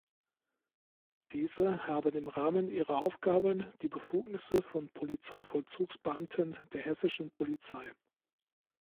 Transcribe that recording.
Diese haben im Rahmen ihrer Aufgaben die Befugnisse von Polizeivollzugsbeamten der Hessischen Polizei.